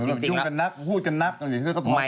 เหมือนแบบยุ่งกันนักพูดกันนักอย่างงี้ก็ท้องซะเลย